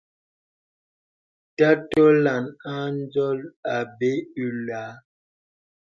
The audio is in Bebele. Tà tɔləŋ a n̄zɔl apɛ̂ ùlāā.